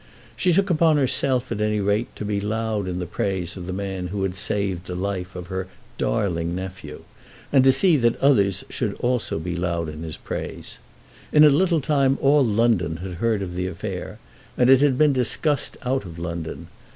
She took upon herself, at any rate, to be loud in the praise of the man who had saved the life of her "darling nephew," and to see that others also should be loud in his praise. In a little time all London had heard of the affair, and it had been discussed out of London.